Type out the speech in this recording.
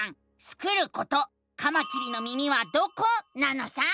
スクること「カマキリの耳はどこ？」なのさ！